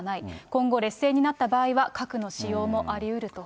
今後、劣勢になった場合は核の使用もありうると。